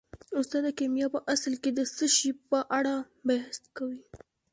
استاده کیمیا په اصل کې د څه شي په اړه بحث کوي